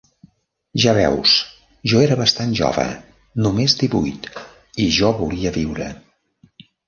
Ja veus, jo era bastant jove-només divuit-i jo volia viure.